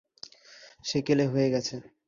সেকেলে হয়ে গেছে।